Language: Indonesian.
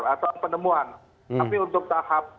atau penemuan tapi untuk tahap